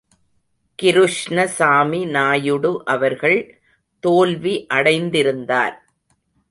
கிருஷ்ணசாமி நாயுடு அவர்கள் தோல்வி அடைந்திருந்தார்.